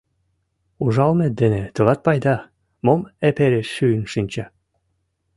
Ужалымет дене тылат пайда — мом эпере шӱйын шинча.